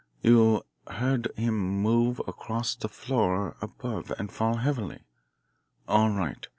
You heard him move across the floor above and fall heavily? All right.